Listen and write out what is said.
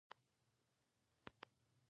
که ښځې نه وای دا نابغه ګان به چا روزلي وی.